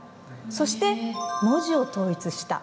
そして文字を統一した。